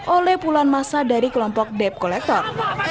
oleh puluhan masa dari kelompok dep kolektor